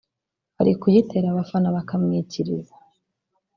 ari kuyitera abafana bakamwikiriza